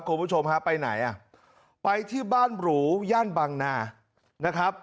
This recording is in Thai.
คุณผู้ชมฮะไปไหนอ่ะไปที่บ้านหรูย่านบางนานะครับ